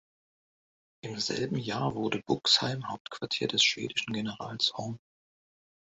Im selben Jahr wurde Buxheim Hauptquartier des schwedischen Generals Horn.